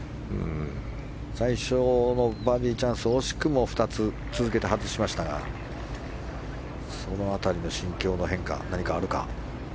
最初のバーディーチャンス惜しくも２つ続けて外しましたがその辺りの心境の変化が何かあるか。